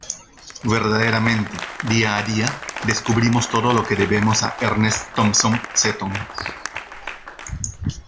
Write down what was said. Verdaderamente, día a día descubrimos todo lo que debemos a Ernest Thompson Seton.